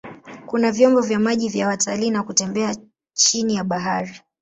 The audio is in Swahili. Kuna vyombo vya maji vya watalii na kutembea chini ya bahari.